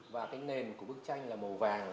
và cái nền của bức tranh là màu vàng